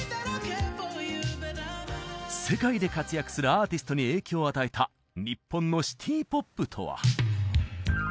世界で活躍するアーティストに影響を与えた日本のシティポップとは？